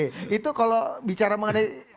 itu kalau bicara mengenai